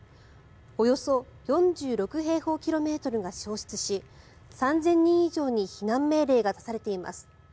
およそ４６平方キロメートルが焼失し３０００人以上に避難命令が出されています。